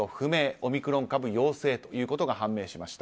オミクロン株陽性ということが判明しました。